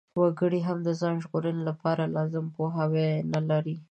وګړي هم د ځان ژغورنې لپاره لازم پوهاوی نلري.